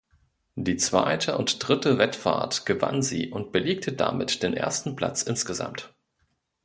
Die zweite und dritte Wettfahrt gewann sie und belegte damit den ersten Platz insgesamt.